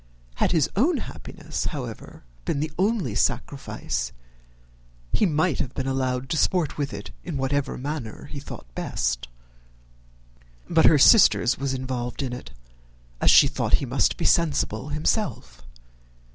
Had his own happiness, however, been the only sacrifice, he might have been allowed to sport with it in whatever manner he thought best; but her sister's was involved in it, as she thought he must be sensible himself.